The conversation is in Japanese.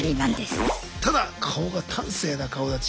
ただ顔が端正な顔立ち。